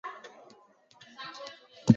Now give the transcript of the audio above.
主教座堂广场是立陶宛的地标之一。